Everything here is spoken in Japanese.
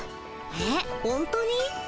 えっ本当に？